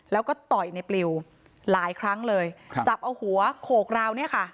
แล้วก็ต่อยในปลิวหลายครั้งเลยครับจับเอาหัวโขกราวเนี่ยค่ะ